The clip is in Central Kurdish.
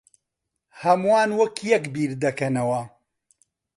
ھەمووان وەک یەک بیردەکەنەوە.